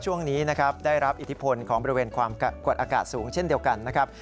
ช่วงนี้นะครับได้รับอิทธิพลของบริเวณความกดอากาศสูงเช่นเดียวกันนะครับ